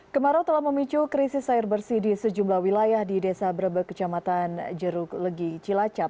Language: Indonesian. kemarau telah memicu krisis air bersih di sejumlah wilayah di desa brebek kecamatan jeruk legi cilacap